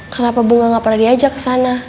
kenapa bunga gak pernah diajak kesana